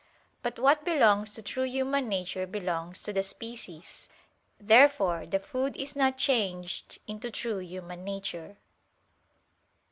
But what belongs to true human nature belongs to the species. Therefore the food is not changed into true human nature. Obj.